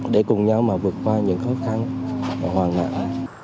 để cùng nhau mà vượt qua những khó khăn hoàn hảo